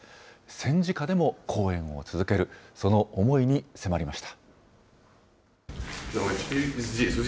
戦時下でも公演を続ける、その思いに迫りました。